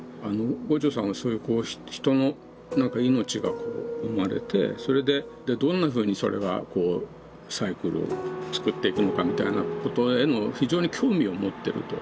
牛腸さんはそういう人の何か命が生まれてそれでどんなふうにそれがサイクルをつくっていくのかみたいなことへの非常に興味を持ってると。